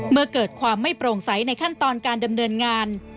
เมื่อเกิดความไม่โปร่งใสในขั้นตอนการดำเนินงาน